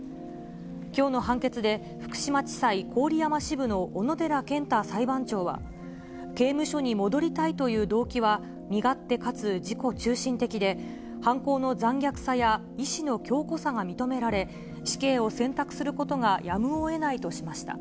きょうの判決で、福島地裁郡山支部の小野寺健太裁判長は、刑務所に戻りたいという同機は、身勝手かつ自己中心的で、犯行の残虐さや意志の強固さが認められ、死刑を選択することがやむをえないとしました。